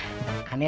ini namanya takdir